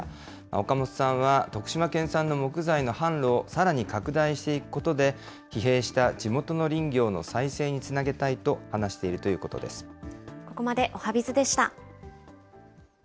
岡元さんは、徳島県産の木材の販路をさらに拡大していくことで、疲弊した地元の林業の再生につなげたいと話しているということでここまでおはＢｉｚでした。